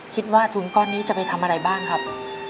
คิดว่าทุนก้อนนี้จะไปทำอะไรบ้างครับ